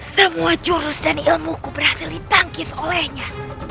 semua jurus dan ilmu ku berhasil ditangkis olehnya